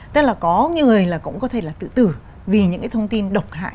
tức là có những người là cũng có thể là tự tử vì những cái thông tin độc hại